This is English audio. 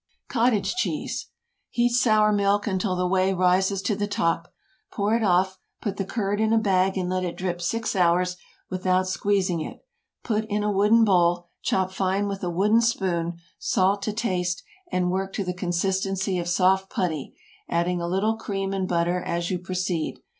COTTAGE CHEESE. Heat sour milk until the whey rises to the top. Pour it off, put the curd in a bag and let it drip six hours, without squeezing it. Put in a wooden bowl, chop fine with a wooden spoon, salt to taste, and work to the consistency of soft putty, adding a little cream and butter as you proceed.